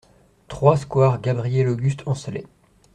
trois square Gabriel-Auguste Ancelet